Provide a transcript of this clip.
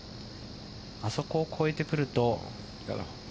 あそこを越えてくると。